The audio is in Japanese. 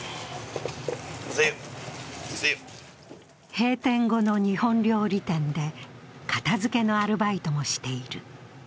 閉店後の日本料理店で片づけのアルバイトもしている。